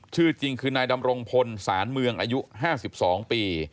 ชื่อจริงคือนายดำรงพลศาลเมืองอายุ๕๒ปี